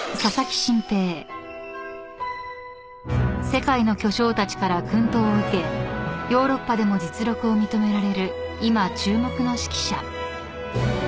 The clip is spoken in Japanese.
［世界の巨匠たちから薫陶を受けヨーロッパでも実力を認められる今注目の指揮者］